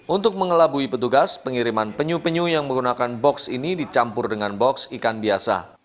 untuk mengelabui petugas pengiriman penyu penyu yang menggunakan box ini dicampur dengan box ikan biasa